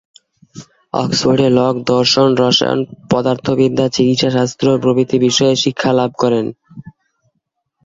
অক্সফোর্ডে লক দর্শন, রসায়ন, পদার্থবিদ্যা, চিকিৎসাশাস্ত্র প্রভৃতি বিষয়ে শিক্ষা লাভ করেন।